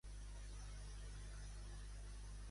Aquesta sardana que sona em fastigueja.